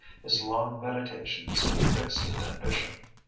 His long meditations had fixed his ambition.